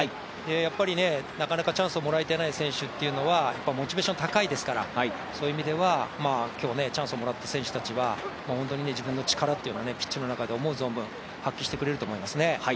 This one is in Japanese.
やっぱりなかなかチャンスをもらえていない選手というのはモチベーション高いですからそういう意味では今日、チャンスをもらった選手たちは本当に自分の力っていうのをピッチの中で思う存分発揮してくれると思いますね。